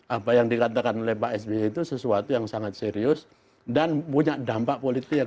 apa yang dikatakan oleh pak sby itu sesuatu yang sangat serius dan punya dampak politik